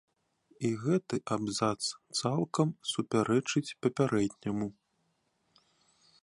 І гэты абзац цалкам супярэчыць папярэдняму.